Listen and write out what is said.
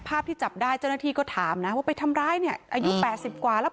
ที่จับได้เจ้าหน้าที่ก็ถามนะว่าไปทำร้ายเนี่ยอายุ๘๐กว่าแล้ว